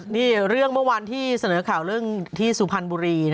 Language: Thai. นี่เรื่องเมื่อวานที่เสนอข่าวเรื่องที่สุพรรณบุรี